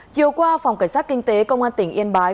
chiều qua phòng cảnh sát kinh tế công an tỉnh yên bái